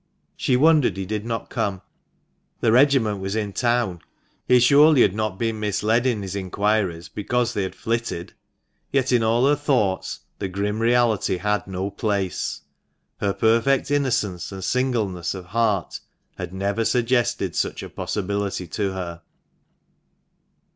She wondered he did not come. The regiment was in town ; he surely had not been misled in his inquiries because they had "flitted." Yet in all her thoughts the grim reality had no place. Her perfect innocence and singleness of heart had never suggested such a possibility to her.